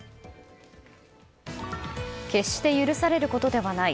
決して許されることではない。